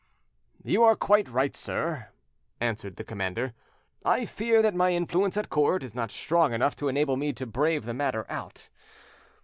"You are quite right, sir," answered the commander; "I fear that my influence at court is not strong enough to enable me to brave the matter out.